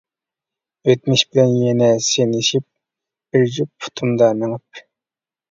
ئۆتمۈش بىلەن يەنە سىنىشىپ، بىر جۈپ پۇتۇمدا مېڭىپ.